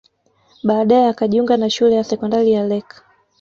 Baadae akajiunga na shule ya sekondari ya Lake